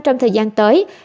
trong thời gian tới